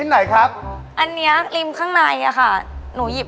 น้องครับครับ